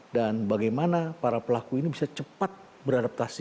dan bagaimana para pelaku ini bisa cepat beradaptasi